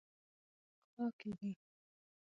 د انسان ریښې لا هم په افریقا کې دي.